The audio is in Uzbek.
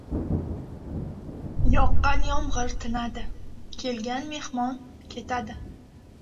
• Yoqqan yomg‘ir tinadi, kelgan mehmon ketadi.